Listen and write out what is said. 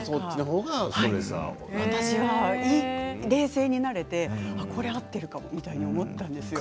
私は冷静になれてこれ合っているかもと思ったんですよね。